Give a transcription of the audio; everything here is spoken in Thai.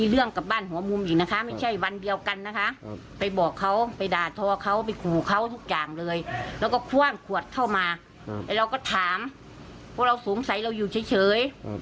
เราก็ถามเพราะว่าสงสัยเราอยู่เฉย